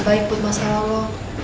baik buat masalah lo